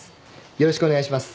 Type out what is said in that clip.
よろしくお願いします。